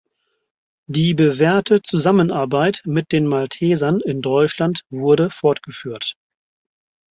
Die bewährte Zusammenarbeit mit den Maltesern in Deutschland wurde fortgeführt.